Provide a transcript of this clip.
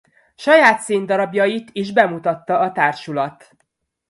Saját színdarabjait is bemutatta a társulat.